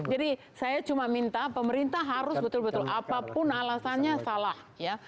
jadi saya cuma minta pemerintah harus betul betul apapun alasannya salah ya